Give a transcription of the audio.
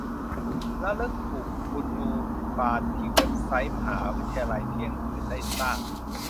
ระลึกถูกคุณูปการที่เว็บไซต์มหาวิทยาลัยเที่ยงคืนได้สร้าง